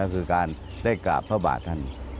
ก็คือการได้กราบพระบาทท่าน